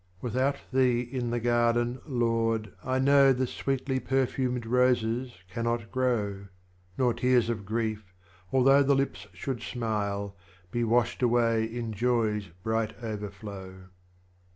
6. Without Thee in the Garden, Lord, I know The sweetly perfumed Roses cannot grow, Nor Tears of Grief, although the Lips should smile, Be washed away in Joy's bright overflow.